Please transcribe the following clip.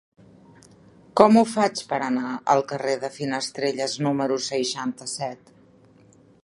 Com ho faig per anar al carrer de Finestrelles número seixanta-set?